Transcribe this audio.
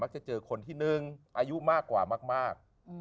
มักจะเจอคนที่๑อายุมากกว่ามาก